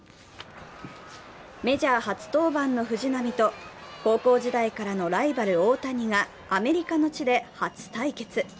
メジャー初登板の藤浪と高校時代からのライバル・大谷がアメリカの地で初対決。